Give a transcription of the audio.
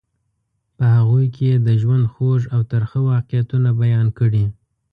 په هغوی کې یې د ژوند خوږ او ترخه واقعیتونه بیان کړي.